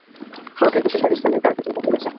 সড়কের বেশির ভাগ স্থানে কার্পেটিং উঠে গেছে।